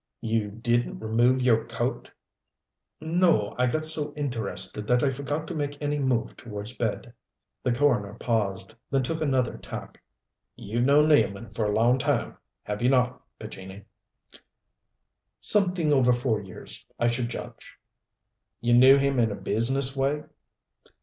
"You didn't remove your coat?" "No. I got so interested that I forgot to make any move towards bed." The coroner paused, then took another tack. "You've known Nealman for a long time, have you not, Pescini?" "Something over four years, I should judge." "You knew him in a business way?"